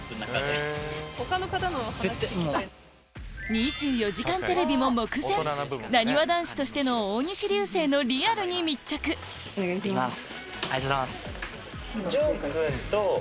『２４時間テレビ』も目前なにわ男子としての大西流星のリアルに密着いってきます。